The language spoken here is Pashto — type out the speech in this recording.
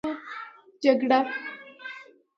جگړه